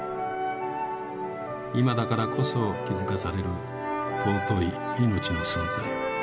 今だからこそ気付かされる尊いいのちの存在。